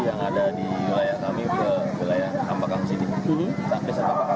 yang ada di wilayah kami wilayah kampakang sini